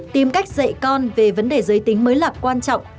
tìm cách dạy con về vấn đề giới tính mới là quan trọng